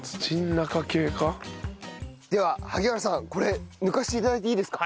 では萩原さんこれ抜かせて頂いていいですか？